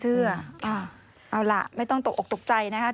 เอาล่ะไม่ต้องตกออกตกใจนะครับ